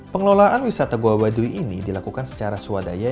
pengelolaan wisata goa baduy ini dilakukan secara secara secara secara secara